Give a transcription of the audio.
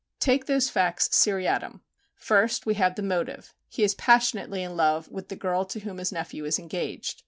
Take those facts seriatim. First, we have the motive: he is passionately in love with the girl to whom his nephew is engaged.